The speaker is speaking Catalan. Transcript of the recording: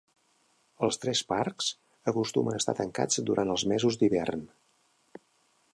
Els tres parcs acostumen a estar tancats durant els mesos d'hivern.